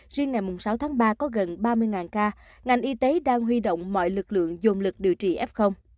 riêng ngày sáu tháng ba có gần ba mươi ca ngành y tế đang huy động mọi lực lượng dồn lực điều trị f